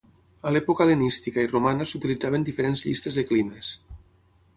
A l'època hel·lenística i romana s'utilitzaven diferents llistes de climes.